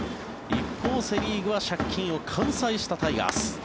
一方、セ・リーグは借金を完済したタイガース。